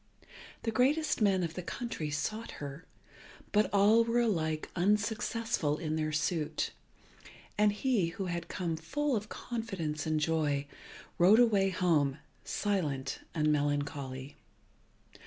The greatest men of the country sought her, but all were alike unsuccessful in their suit, and he who had come full of confidence and joy, rode away home silent and melancholy.